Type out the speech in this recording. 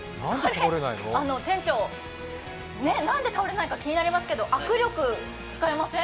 店長、何で倒れないか気になりますけど握力、使いません？